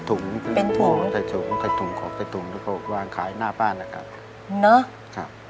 ทำเป็นถุงถ่ายถุงของถ่ายถุงแล้วก็วางขายหน้าบ้านนะครับ